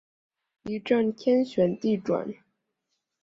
一阵天旋地转